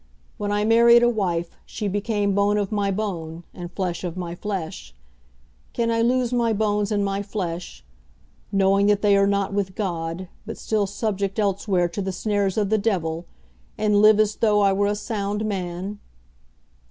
When I married a wife, she became bone of my bone, and flesh of my flesh. Can I lose my bones and my flesh, knowing that they are not with God but still subject elsewhere to the snares of the devil, and live as though I were a sound man?